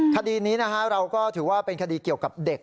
คดีนี้เราก็ถือว่าเป็นคดีเกี่ยวกับเด็ก